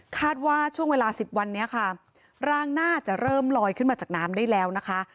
ว่าช่วงเวลา๑๐วันนี้ค่ะร่างน่าจะเริ่มลอยขึ้นมาจากน้ำได้แล้วนะคะ